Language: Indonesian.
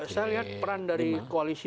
saya lihat peran dari koalisi